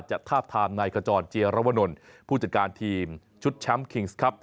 ทาบทามนายขจรเจียรวนลผู้จัดการทีมชุดแชมป์คิงส์ครับ